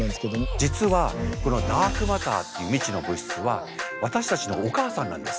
実はこのダークマターっていう未知の物質は私たちのお母さんなんです。